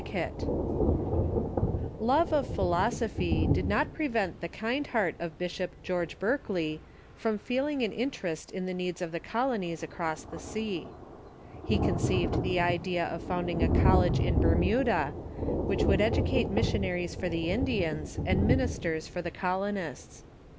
] Love of philosophy did not prevent the kind heart of Bisii op George Berkeley from feeling an interest in tlie needs of THE EPISCOPAL DEFECTION IN CONNECTICUT 493 the colonies across the sea. lie conceived the idea of found ing a college in Bermuda, which would educate missionaries for the Indians and ministers for the colonists.